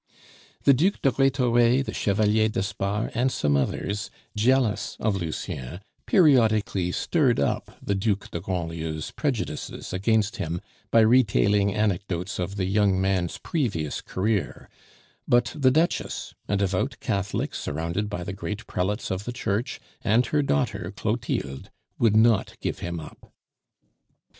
The Duc de Rhetore, the Chevalier d'Espard, and some others, jealous of Lucien, periodically stirred up the Duc de Grandlieu's prejudices against him by retailing anecdotes of the young man's previous career; but the Duchess, a devout Catholic surrounded by the great prelates of the Church, and her daughter Clotilde would not give him up.